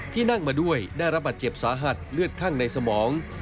นั่งมาด้วยได้รับบาดเจ็บสาหัสเลือดข้างในสมอง